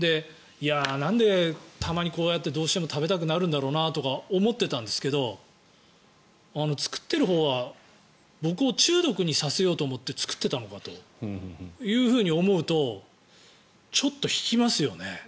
なんで、たまにこうやってどうしても食べたくなるんだろうなとか思っていたんですけど作っているほうは僕を中毒にさせようと思って作っていたのかと思うとちょっと引きますよね。